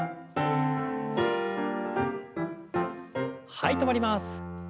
はい止まります。